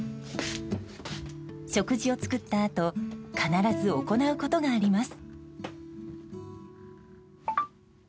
食事を作ったあと必ず行うことがあります。